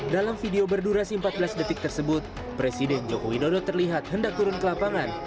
dalam video berdurasi empat belas detik tersebut presiden joko widodo terlihat hendak turun ke lapangan